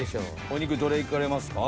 お肉どれいかれますか？